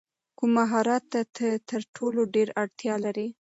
کوم مهارت ته تر ټولو ډېره اړتیا لرې؟